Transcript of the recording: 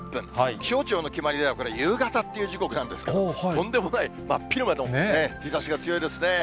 気象庁の決まりではこれ、夕方っていう時刻なんですが、とんでもない、真昼間ですね、日ざしが強いですね。